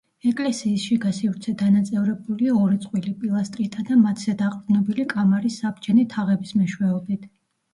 ეკლესიის შიგა სივრცე დანაწევრებულია ორი წყვილი პილასტრითა და მათზე დაყრდნობილი კამარის საბჯენი თაღების მეშვეობით.